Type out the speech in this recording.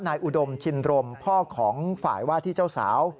อุดมชินรมพ่อของฝ่ายว่าที่เจ้าสาว